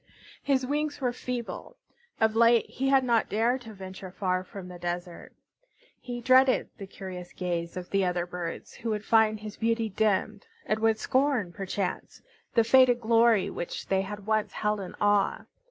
His wings were feeble. Of late he had not dared to venture far from the desert. He dreaded the curious gaze of the other birds, who would find his beauty dimmed, and would scorn, perchance, the faded glory which they had once held in awe.